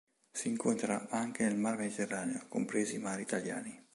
Si incontra anche nel mar Mediterraneo, compresi i mari italiani.